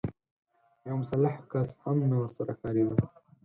يو مسلح کس هم نه ورسره ښکارېده.